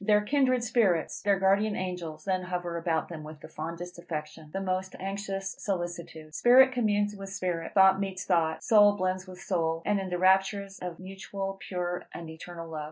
Their kindred spirits, their guardian angels then hover about them with the fondest affection, the most anxious solicitude. Spirit communes with spirit, thought meets thought, soul blends with soul, in all the raptures of mutual, pure, and eternal love.